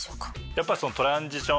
やっぱりそのトランジション